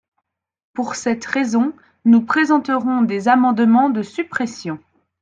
Pour cette raison, nous présenterons des amendements de suppression.